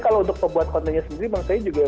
kalau untuk pembuat kontennya sendiri maksudnya juga